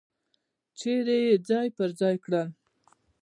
چیرې یې ځای پر ځای کړل.